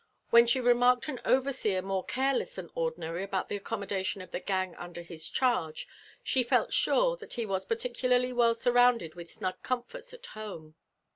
When she remarked an overseer more careless than ordinary about the accommodation of the gang under his charge, she felt sure that he was particularly well surrounded with snug comforts at home.